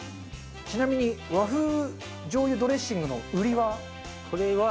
ちなみに和風しょうゆドレッシングの売りは？